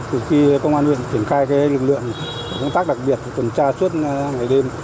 từ khi công an huyện triển khai lực lượng công tác đặc biệt tuần tra chốt ngày đêm